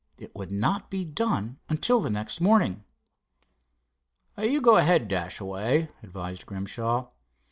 It would not be done until the next morning. "You go ahead, Dashaway," advised Grimshaw.